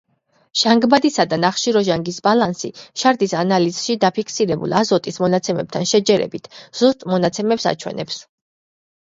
ჟანგბადისა და ნახშირორჟანგის ბალანსი შარდის ანალიზში დაფიქსირებულ აზოტის მონაცემებთან შეჯერებით, ზუსტ მონაცემებს აჩვენებს.